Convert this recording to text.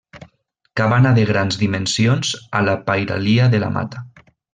Cabana de grans dimensions a la pairalia de La Mata.